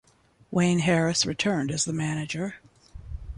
Wayne Harris returned as the manager.